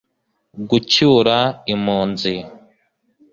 gucyura impunzi